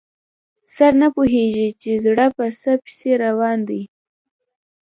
سر نه پوهېږي چې زړه په څه پسې روان دی.